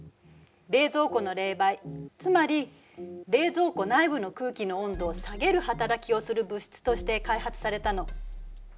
冷蔵庫の冷媒つまり冷蔵庫内部の空気の温度を下げる働きをする物質として開発されたの。